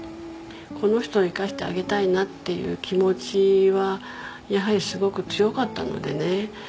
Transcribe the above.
この人を生かしてあげたいなっていう気持ちはやはりすごく強かったのでね。